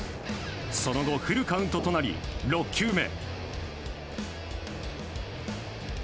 その後、フルカウントとなり６球目。